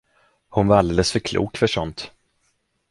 Hon var alldeles för klok för sådant.